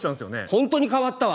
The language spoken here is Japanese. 本当に変わったわ。